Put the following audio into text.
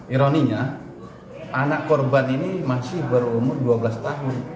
ironinya anak korban ini masih berumur dua belas tahun